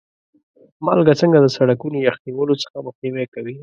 مالګه څنګه د سړکونو یخ نیولو څخه مخنیوی کوي؟